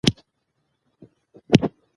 موږ داسې کتابونو ته اړتیا لرو چې فکر روښانه کړي.